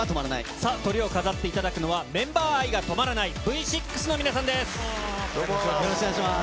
さあ、トリを飾っていただくのは、メンバー愛が止まらない、よろしくお願いします。